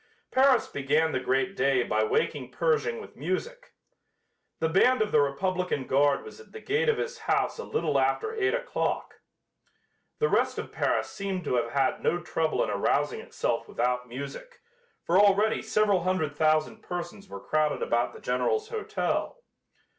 Paris began the great day by waking Pershing with music. The band of the republican guard was at the gate of his house a little after eight o'clock. The rest of Paris seemed to have had no trouble in arousing itself without music, for already several hundred thousand persons were crowded about the General's hotel.